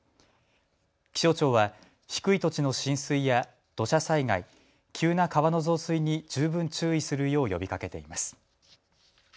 気象庁は低い土地の浸水や土砂災害、急な川の増水に十分注意するよう呼びかけています。